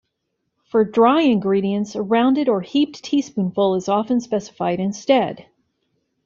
For dry ingredients, a rounded or heaped teaspoonful is often specified instead.